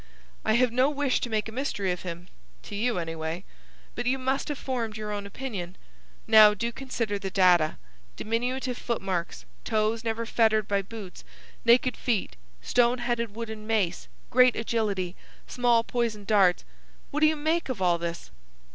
"I have no wish to make a mystery of him,—to you, anyway. But you must have formed your own opinion. Now, do consider the data. Diminutive footmarks, toes never fettered by boots, naked feet, stone headed wooden mace, great agility, small poisoned darts. What do you make of all this?"